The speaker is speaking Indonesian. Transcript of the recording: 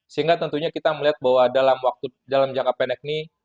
sehingga tentunya kita melihat bahwa dalam jangka pendek ini